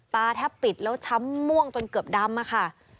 ตาแทบปิดแล้วช้ำม่วงจนเกือบดำอะค่ะ